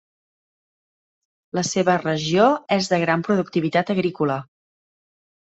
La seva regió és de gran productivitat agrícola.